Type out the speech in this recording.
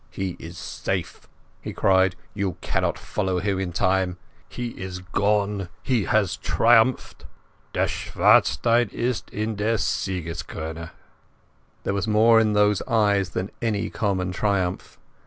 "He is safe," he cried. "You cannot follow in time.... He is gone.... He has triumphed.... Der Schwarze Stein ist in der Siegeskrone." There was more in those eyes than any common triumph.